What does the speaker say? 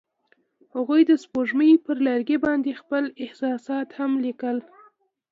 هغوی د سپوږمۍ پر لرګي باندې خپل احساسات هم لیکل.